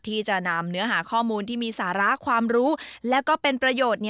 ที่จะนำเนื้อหาข้อมูลที่มีสาระความรู้และก็เป็นประโยชน์